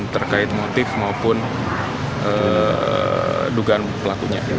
dan terkait motif maupun dugaan pelakunya